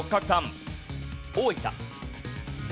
大分。